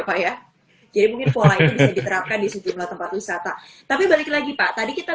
pak ya jadi mungkin pola ini bisa diterapkan di sejumlah tempat wisata tapi balik lagi pak tadi kita